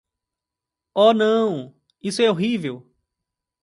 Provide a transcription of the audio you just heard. Oh não, isso é horrível!